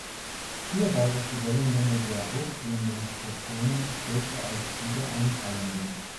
Hierbei ist die Wellenlänge der ausgehenden Photonen "kürzer" als die der einfallenden.